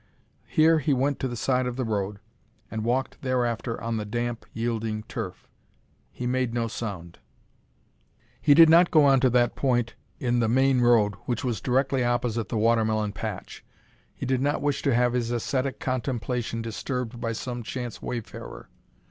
Here he went to the side of the road, and walked thereafter on the damp, yielding turf. He made no sound. He did not go on to that point in the main road which was directly opposite the water melon patch. He did not wish to have his ascetic contemplation disturbed by some chance wayfarer.